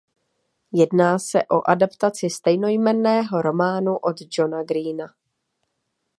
Jedná se o adaptaci stejnojmenného románu od Johna Greena.